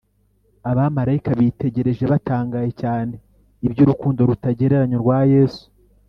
abamarayika bitegereje batangaye cyane iby’urukundo rutagereranywa rwa yesu,